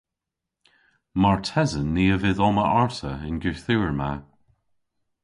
Martesen ni a vydh omma arta y'n gorthugher ma.